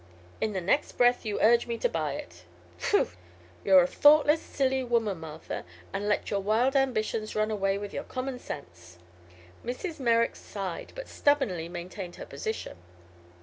In the next breath you urge me to buy it. Phoo! You're a thoughtless, silly woman, Martha, and let your wild ambitions run away with your common sense." Mrs. Merrick sighed, but stubbornly maintained her position.